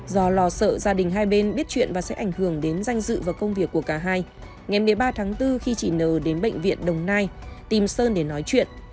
do lo sợ gia đình hai bên biết chuyện và sẽ ảnh hưởng đến danh dự và công việc của cả hai ngày một mươi ba tháng bốn khi chị n đến bệnh viện đồng nai tìm sơn để nói chuyện